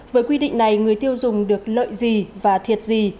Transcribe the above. với quy định này người tiêu dùng được lợi gì và thiệt gì